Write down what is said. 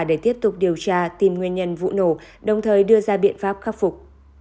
để tiếp tục điều tra tìm nguyên nhân vụ nổ đồng thời đưa ra biện pháp khắc phục